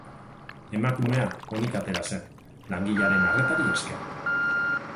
Emakumea onik atera zen, langilearen arretari esker.